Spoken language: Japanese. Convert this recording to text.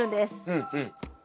うんうん。